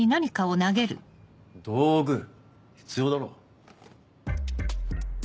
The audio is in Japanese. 道具必要だろ。